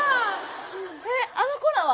えっあの子らは？